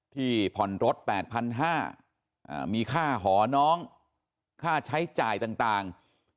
ผ่อนรถ๘๕๐๐มีค่าหอน้องค่าใช้จ่ายต่าง